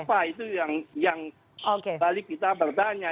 apa itu yang balik kita bertanya